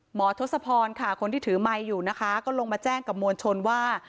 ทศพรค่ะคนที่ถือไมค์อยู่นะคะก็ลงมาแจ้งกับมวลชนว่า